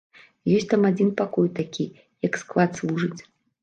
Ёсць там адзін пакой такі, як склад служыць.